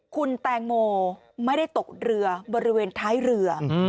คุณแตงโมไม่ได้ตกเรือบริเวณท้ายเรือ